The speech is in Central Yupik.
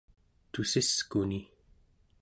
tussiskuni